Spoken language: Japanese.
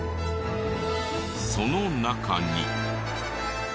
その中に。